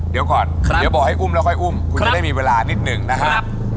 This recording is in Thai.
เดี๋ยวก่อนเดี๋ยวบอกให้อุ้มแล้วค่อยอุ้มคุณจะได้มีเวลานิดหนึ่งนะครับ